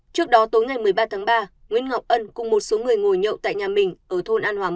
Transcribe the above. trước đó tối ngày một mươi ba tháng ba nguyễn ngọc ân cùng một số người ngồi nhậu tại nhà mình ở thôn an hòa một